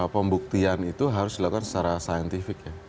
pembuktian itu harus dilakukan secara saintifik ya